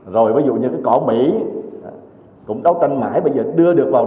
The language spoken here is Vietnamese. rồi ví dụ như cái cỏ mỹ cũng đấu tranh mãi bây giờ đưa được vào